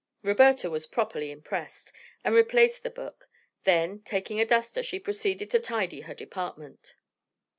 Roberta was properly impressed, and replaced the book; then, taking a duster, she proceeded to tidy her department.